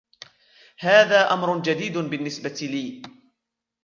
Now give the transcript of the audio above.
هذا أمر جديد بالنسبة لي.